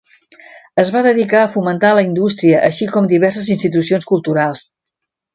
Es va dedicar a fomentar la indústria, així com diverses institucions culturals.